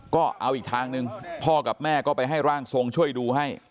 ก็เอาอีกทางหนึ่งพ่อกับแม่ก็ไปให้ร่างทรงช่วยดูให้